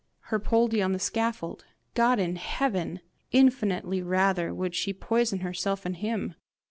Her Poldie on the scaffold! God in heaven! Infinitely rather would she poison herself and him!